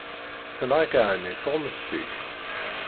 Tenɣa-k εni tuɣmest-ik?